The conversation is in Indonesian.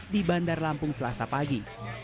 di bandar lampung selasa pagi